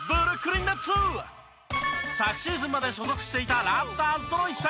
昨シーズンまで所属していたラプターズとの一戦。